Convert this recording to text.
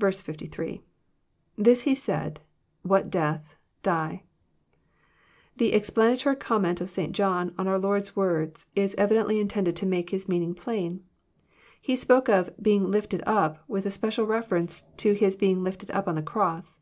B3.— [TTiis he 8aid...tohat death..,die,'] This explanatory comment of St. John on our Lord's words is evidently intended to make His meaning plain. He spoke of *^ being lifted up " with a spe cial reference to His being lifted up on the cross.